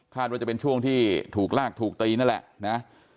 ว่าจะเป็นช่วงที่ถูกลากถูกตีนั่นแหละนะ